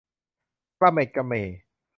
กระเหม็ดกระแหม่